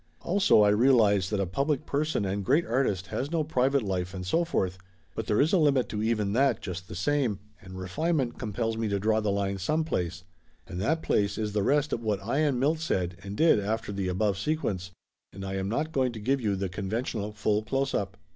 Also I realize that a public person and great artist has no private life and so forth, but there is a limit to even that, just the same, and refinement com pels me to draw the line some place, and that place is the rest of what I and Milt said and did after the above sequence, and I am not going to give you the conven tional full close up.